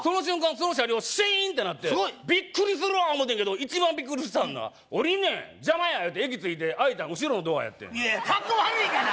その車両シーンってなってすごいビックリするわ思たんやけど一番ビックリしたんが降りるねん邪魔やいうて駅着いて開いたん後ろのドアやってんいやカッコ悪いがな